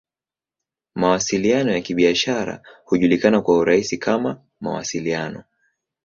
Mawasiliano ya Kibiashara hujulikana kwa urahisi kama "Mawasiliano.